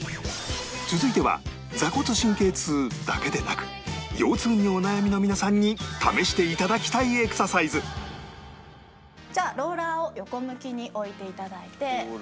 続いては坐骨神経痛だけでなく腰痛にお悩みの皆さんに試していただきたいエクササイズじゃあローラーを横向きに置いていただいて。